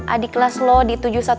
adik kelas lo di tujuh ratus dua belas